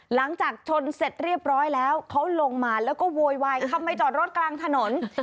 หลังจากชนเสร็จเรียบร้อยแล้วเขาลงมาแล้วก็โวยวายทำไมจอดรถกลางถนน